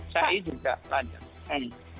saya juga lanjut